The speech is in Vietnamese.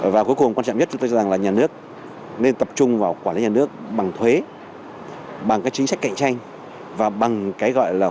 và cuối cùng quan trọng nhất là nhà nước nên tập trung vào quản lý nhà nước bằng thuế bằng cái chính sách cạnh tranh